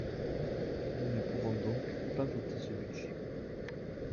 Nous ne pourrons donc pas voter ce budget.